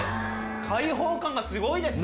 開放感がすごいです。